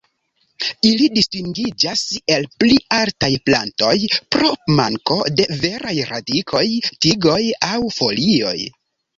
Ili distingiĝas el pli altaj plantoj pro manko de veraj radikoj, tigoj aŭ folioj.